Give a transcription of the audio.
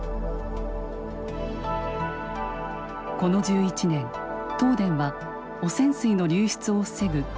この１１年東電は汚染水の流出を防ぐ